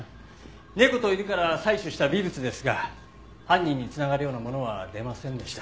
猫と犬から採取した微物ですが犯人に繋がるようなものは出ませんでした。